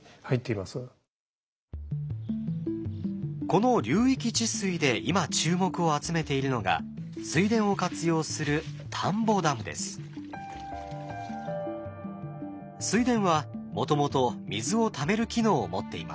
この流域治水で今注目を集めているのが水田を活用する水田はもともと水をためる機能を持っています。